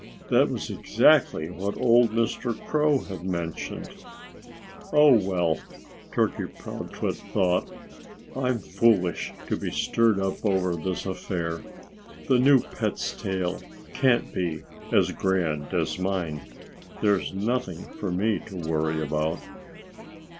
That was exactly what old Mr. Crow had mentioned. "Oh, well!" Turkey Proudfoot thought. "I'm foolish to be stirred up over this affair. The new pet's tail can't be as grand as mine. There's nothing for me to worry about."